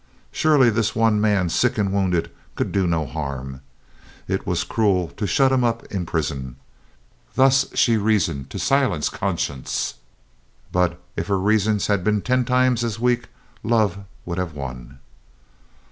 Surely this one man, sick and wounded, could do no harm. It was cruel to shut him up in prison. Thus she reasoned to silence conscience, but if her reasons had been ten times as weak, love would have won.